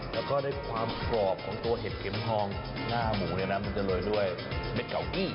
แล้วก็ได้ความกรอบของตัวเห็ดเข็มทองหน้าหมูเนี่ยนะมันจะโรยด้วยเม็ดเก่ากิ้ง